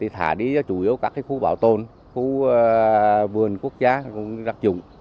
thả đi chủ yếu các khu bảo tồn khu vườn quốc gia cũng rắc dụng